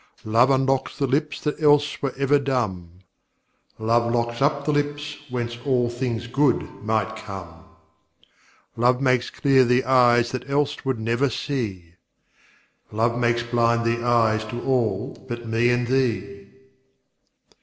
Love unlocks the lips that else were ever dumb: "Love locks up the lips whence all things good might come." Love makes clear the eyes that else would never see: "Love makes blind the eyes to all but me and thee."